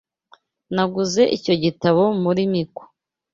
Naguze icyo gitabo kuri Mico